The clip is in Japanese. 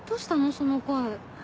その声。